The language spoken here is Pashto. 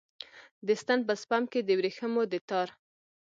د ستن په سپم کې د وریښمو د تار